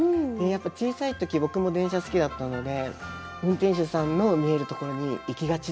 小さい時僕も電車好きだったので運転手さんの見える所に行きがちでした。